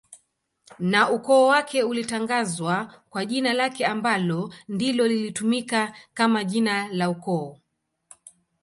na ukoo wake ulitangazwa kwa jina lake anbalo ndilo lilitumika kama jina la ukoo